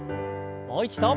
もう一度。